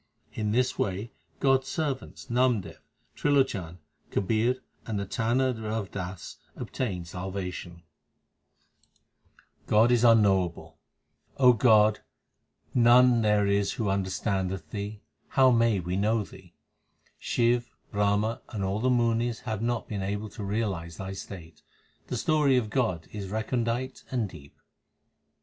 In this way God s servants Namdev, Trilochan, Kabir, and the tanner Rav Das obtained salvation. HYMNS OF GURU ARJAN 333 God is unknowable : God, none there is who understandeth Thee ; how may we know Thee ? Shiv, Brahma, and all the munis have not been able to realize Thy state. The story of God is recondite and deep.